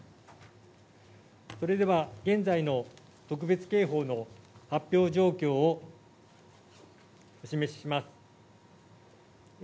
それでは現在の特別警報の発表状況をお示しします。